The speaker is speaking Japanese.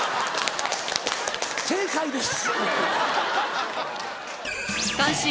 正解です！